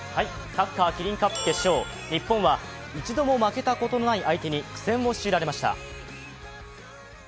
サッカー・キリンカップ決勝日本は一度も負けたことのない相手に苦戦を強いられました。